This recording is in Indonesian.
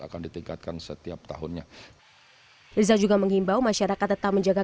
akan ditingkatkan setiap tahunnya rizal juga menghimbau masyarakat tetap menjaga